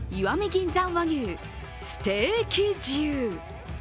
銀山和牛ステーキ重。